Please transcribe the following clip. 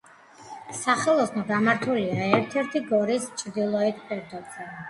სახელოსნო გამართულია ერთ-ერთი გორის ჩრდილოეთ ფერდობზე.